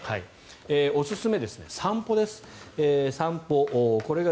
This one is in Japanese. おすすめは散歩です。